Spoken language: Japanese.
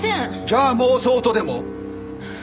じゃあ妄想とでも？